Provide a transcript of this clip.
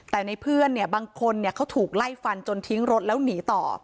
แต่ในเพื่อนเนี่ยบางคนเขาถูกไล่ฟันจนทิ้งรถแล้วหนีต่อ